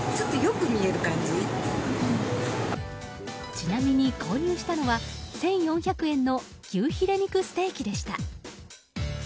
ちなみに購入したのは１４００円の牛ヒレ肉ステーキでした。